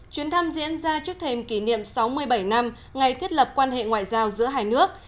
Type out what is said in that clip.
chuyến thăm diễn ra trước thềm kỷ niệm sáu mươi bảy năm ngày thiết lập quan hệ ngoại giao giữa hai nước